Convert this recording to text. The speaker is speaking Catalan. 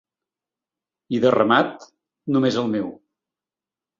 I de ramat, només el meu.